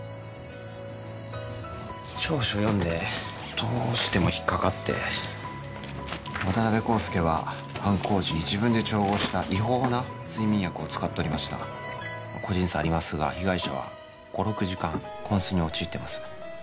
調書読んでどうしても引っかかって渡辺康介は犯行時に自分で調合した違法な睡眠薬を使っとりました個人差ありますが被害者は５６時間こん睡に陥ってます